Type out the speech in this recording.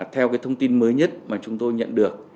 theo cái thông tin mới nhất mà chúng tôi nhận được